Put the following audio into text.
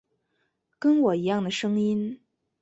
跟我一样的声音